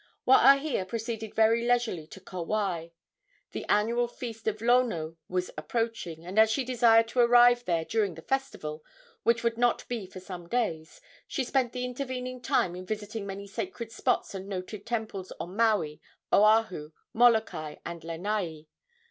Waahia proceeded very leisurely to Kauai. The annual feast of Lono was approaching, and as she desired to arrive there during the festival, which would not be for some days, she spent the intervening time in visiting many sacred spots and noted temples on Maui, Oahu, Molokai and Lanai.